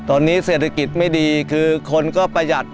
ตอนนี้เศรษฐกิจไม่ดีคือคนก็ประหยัด